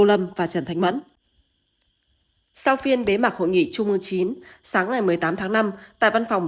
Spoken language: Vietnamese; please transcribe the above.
lâm và trần thanh mẫn sau phiên bế mạc hội nghị trung ương chín sáng ngày một mươi tám tháng năm tại văn phòng